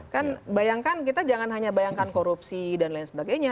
kan bayangkan kita jangan hanya bayangkan korupsi dan lain sebagainya